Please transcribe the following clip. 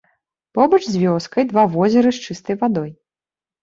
Побач з вёскай два возеры з чыстай вадой.